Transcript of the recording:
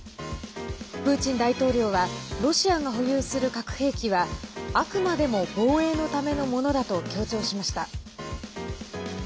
プーチン大統領はロシアが保有する核兵器はあくまでも防衛のためのものだと強調しました。